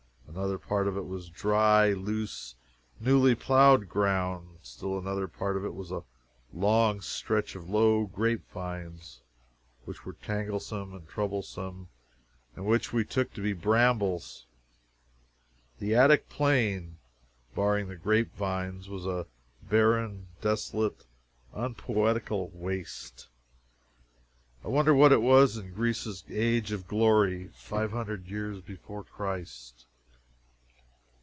Another part of it was dry, loose, newly ploughed ground. Still another part of it was a long stretch of low grape vines, which were tanglesome and troublesome, and which we took to be brambles. The Attic Plain, barring the grape vines, was a barren, desolate, unpoetical waste I wonder what it was in Greece's Age of Glory, five hundred years before Christ?